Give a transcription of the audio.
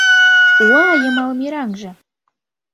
Уа йымал мераҥже